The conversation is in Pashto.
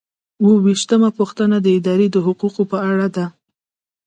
اووه ویشتمه پوښتنه د ادارې د حقوقو په اړه ده.